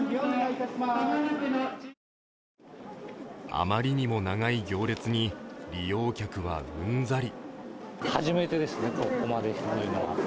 あまりにも長い行列に利用客はうんざり。